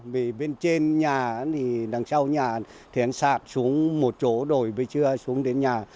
vì bên trên nhà thì đằng sau nhà thì anh sạt xuống một chỗ đồi với chưa xuống đến nhà